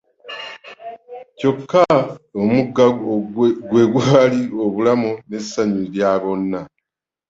Kyokka omugga gwe gwali obulamu n'essanyu lya bonna.